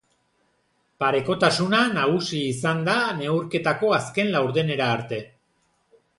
Parekotasuna nagusi izan da neurketako azken laurdenera arte.